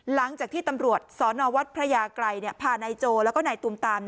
หลังจากที่ตำรวจสนวัดพระยากรัยพานายโจแล้วก็นายตุมตาม